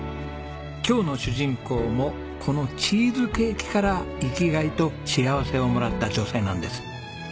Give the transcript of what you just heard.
今日の主人公もこのチーズケーキから生きがいと幸せをもらった女性なんです。